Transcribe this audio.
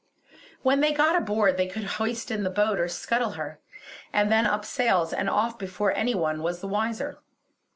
When they got aboard they could hoist in the boat or scuttle her; and then, up sails and off before any one was the wiser.